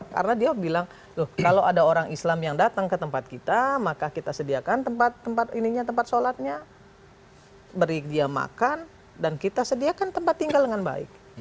karena dia bilang kalau ada orang islam yang datang ke tempat kita maka kita sediakan tempat sholatnya beri dia makan dan kita sediakan tempat tinggal dengan baik